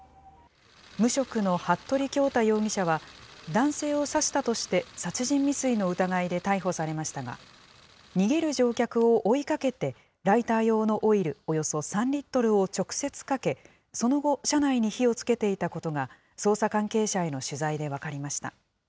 無職の服部恭太容疑者は、男性を刺したとして殺人未遂の疑いで逮捕されましたが、逃げる乗客を追いかけてライター用のオイルおよそ３リットルを直接かけ、その後、車内に火をつけていたことが捜査関係者への取材で分かりました。